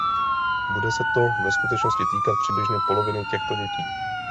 Bude se to ve skutečnosti týkat přibližně poloviny těchto dětí.